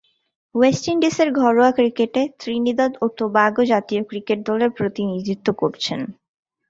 West ইন্ডিজের ঘরোয়া ক্রিকেটে ত্রিনিদাদ ও টোবাগো জাতীয় ক্রিকেট দলের প্রতিনিধিত্ব করছেন।